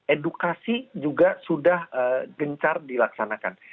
edukasi juga sudah gencar dilaksanakan